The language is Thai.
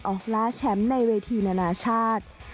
ล่าแชมป์ในเวทีนานาชาติ